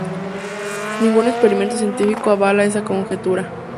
Ningún experimento científico avala esa conjetura.